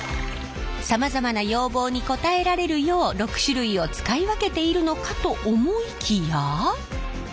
さまざまな要望に応えられるよう６種類を使い分けているのかと思いきや。